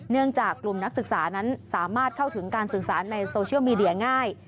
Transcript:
เนื่องจากกลุ่มนักศึกษานั้นสามารถเข้าถึงการสื่อสารในโซเชียลมีเดียง่าย